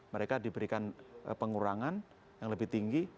mereka diberikan pengurangan yang lebih tinggi